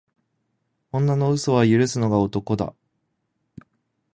女の嘘は許すのが男だ。